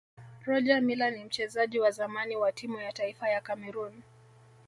rogermiller ni mchezaji wa zamani wa timu ya taifa ya cameroon